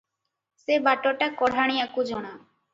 ସେ ବାଟଟା କଢାଣିଆକୁ ଜଣା ।